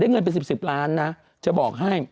เงินเป็น๑๐ล้านนะจะบอกให้